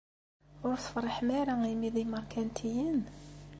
Ur tefṛiḥem ara imi d imerkantiyen?